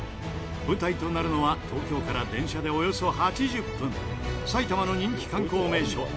舞台となるのは東京から電車でおよそ８０分埼玉の人気観光名所